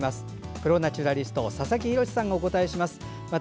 プロ・ナチュラリストの佐々木洋さんがお答えいたします。